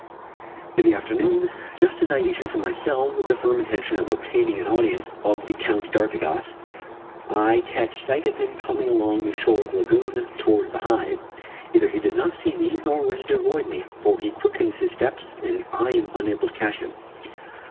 In the afternoon, just as I issue from my cell with the firm intention of "obtaining an audience" of the Count d'Artigas, I catch sight of him coming along the shore of the lagoon towards the hive. Either he does not see me, or wishes to avoid me, for he quickens his steps and I am unable to catch him.